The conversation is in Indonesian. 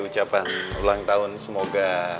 ucapan ulang tahun semoga